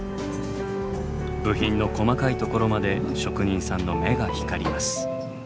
部品の細かいところまで職人さんの目が光ります。